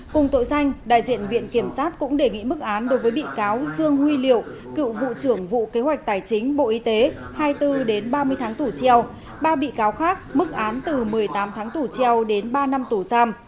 cùng tội danh đại diện viện kiểm sát cũng đề nghị mức án đối với bị cáo dương huy liệu cựu vụ trưởng vụ kế hoạch tài chính bộ y tế hai mươi bốn đến ba mươi tháng tù treo ba bị cáo khác mức án từ một mươi tám tháng tù treo đến ba năm tù giam